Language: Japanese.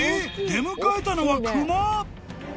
出迎えたのは熊？］